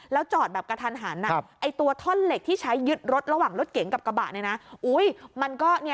แล้วจอดแบบกระทันหันตัวท่อนเหล็กที่ใช้ยึดรถระหว่างรถเก๋งกับกระบะเนี่ยนะ